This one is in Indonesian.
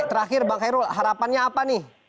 terakhir bang khairul harapannya apa nih